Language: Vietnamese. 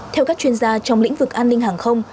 theo các chuyên gia trong lĩnh vực an ninh hàng không